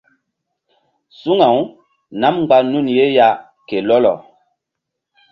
Suŋaw nam mgba nun ye ya ke lɔlɔ.